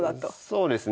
そうですね。